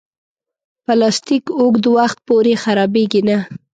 پلاستيک اوږد وخت پورې خرابېږي نه.